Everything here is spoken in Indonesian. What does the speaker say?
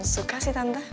suka sih tante